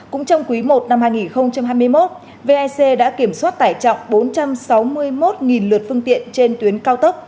cũng trong quý i năm hai nghìn hai mươi một vec đã kiểm soát tải trọng bốn trăm sáu mươi một lượt phương tiện trên tuyến cao tốc